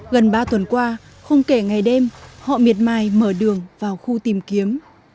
gần ba tuần qua không kể ngày đêm họ miệt mài mở đường vào khu tìm kiếm